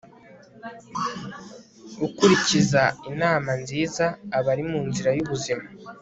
ukurikiza inama nziza aba ari mu nzira y'ubuzima